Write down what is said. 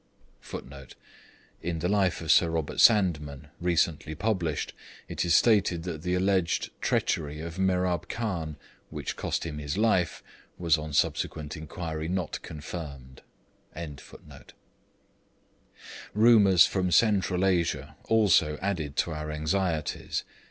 [Footnote: In the life of Sir Robert Sandeman, recently published, it is stated that the alleged treachery of Mehrab Khan, which cost him his life, was on subsequent inquiry not confirmed.] Rumours from Central Asia also added to our anxieties.